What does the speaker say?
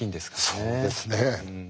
そうですね。